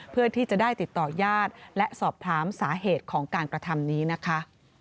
เพื่อที่จะได้ติดต่อญาติและสอบถามสาเหตุของการกระทำนี้นะคะ